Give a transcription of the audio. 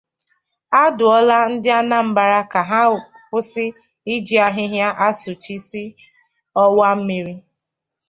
A Dụọla Ndị Anambra Ka Ha Kwụsị Iji Ahịhịa Asụchisi Ọwà Mmiri